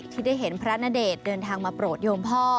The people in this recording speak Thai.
ที่ได้เห็นพระณเดชน์เดินทางมาโปรดโยมพ่อ